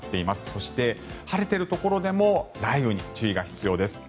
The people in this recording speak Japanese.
そして、晴れているところでも雷雨に注意が必要です。